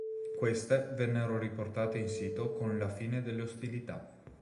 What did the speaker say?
Queste vennero riportate in sito con la fine delle ostilità.